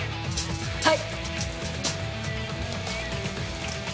はい。